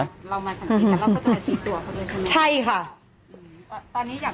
เรามาสั่งดีกันเราก็จะไปชีวิตตัวเขาด้วยใช่ค่ะตอนนี้อยากจะพูดอะไรบ้าง